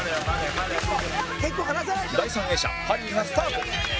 第３泳者ハリーがスタート